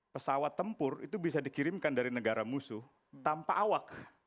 pesawat tempur itu bisa dikirimkan dari negara musuh tanpa awak